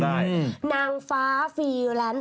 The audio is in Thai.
นางฟ้าฟรีแลนซ์